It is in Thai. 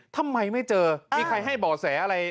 ทำไมไม่เจอมีใครให้บ่อแสอะไร